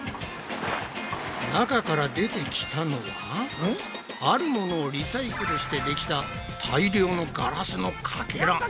中から出てきたのは「あるもの」をリサイクルしてできた大量のガラスのかけら。